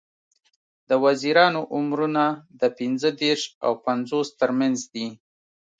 د وزیرانو عمرونه د پینځه دیرش او پینځوس تر منځ دي.